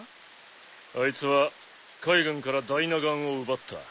あいつは海軍からダイナ岩を奪った。